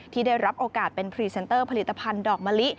ที่ได้รับโอกาสเป็นพรีเซนเตอร์ผลิตภัณฑ์ดอกมะลิ